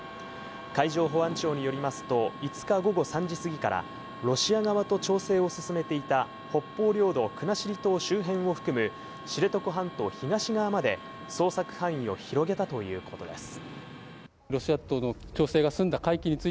海上保安庁によりますと５日午後３時過ぎからロシア側と調整を進めていた北方領土・国後島周辺を含む知床半島東側まで捜索範囲を広げたということです。